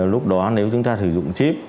lúc đó nếu chúng ta sử dụng chip